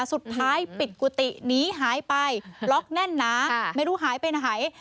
สุดท้ายปิดกุฏิหนีหายไปล็อกแน่นหนาไม่รู้หายไปไหน